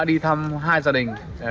đi thăm hai gia đình